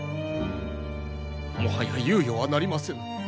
もはや猶予はなりませぬ。